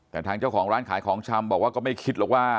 แต่ทางเจ้าของร้านขายของชำบอกว่าก็ไม่คิดหรอกว่า